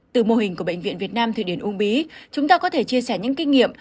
từ mô hình của bệnh viện việt nam thụy điển uông bí chúng ta có thể chia sẻ những kinh nghiệm